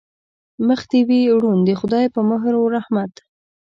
مخ دې وي روڼ د خدای په مهر و رحمت.